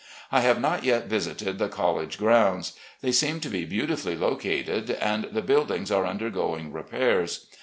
I have not yet visited the college grounds. They seem to be beautifully located, and the buildings are tmdergoing repairs.